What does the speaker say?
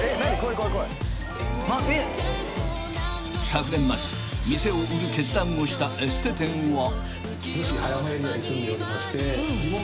［昨年末店を売る決断をしたエステ店は］